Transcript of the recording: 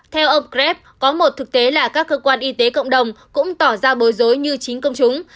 theo ông kreb có một thực tế là các cơ quan y tế cộng đồng cũng tỏ ra bối rối như chính công chúng